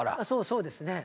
そうですね。